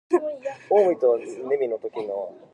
The rookie-of-the-year trophy was named after Kaplan.